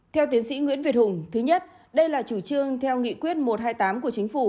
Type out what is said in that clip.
theo tiến sĩ nguyễn việt hùng thứ nhất đây là chủ trương theo nghị quyết một trăm hai mươi tám của chính phủ